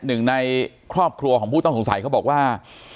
หนึ่งในครอบครัวของผู้ต้องสงสัยเขาบอกว่า